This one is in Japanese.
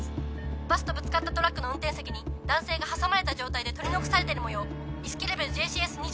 バスとぶつかったトラックの運転席に男性が挟まれた状態で取り残されてるもよう意識レベルＪＣＳ２０